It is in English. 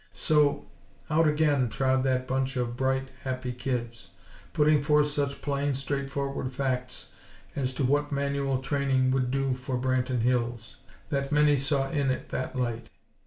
So, out again trod that bunch of bright, happy kids, putting forth such plain, straightforward facts as to what Manual Training would do for Branton Hills, that many saw it in that light.